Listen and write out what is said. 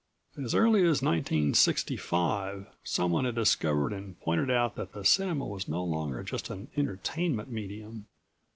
As early as 1965 someone had discovered and pointed out that the cinema was no longer just an entertainment medium.